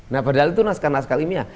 nah padahal itu naskah naskah ilmiah